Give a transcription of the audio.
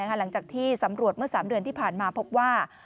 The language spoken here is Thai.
หลังจากที่สำรวจเมื่อ๓เดือนที่ผ่านมาพบว่า